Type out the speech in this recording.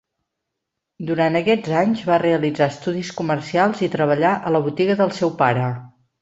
Durant aquests anys va realitzar estudis comercials i treballar a la botiga del seu pare.